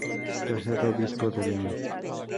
Tercer Obispo de León.